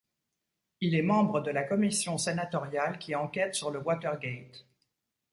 Il est membre de la commission sénatoriale qui enquête sur le Watergate.